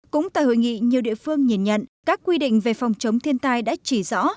cũng tại hội nghị nhiều địa phương nhìn nhận các quy định về phòng chống thiên tai đã chỉ rõ